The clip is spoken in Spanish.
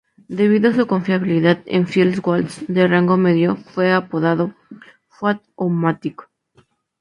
Debido a su confiabilidad en field goals de rango medio, fue apodado "Fuad-o-matic".